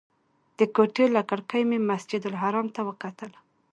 د کوټې له کړکۍ مې مسجدالحرام ته وکتل.